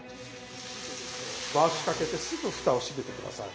回しかけてすぐふたを閉めて下さい。